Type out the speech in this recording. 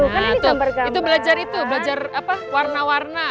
nah tuh belajar itu belajar warna warna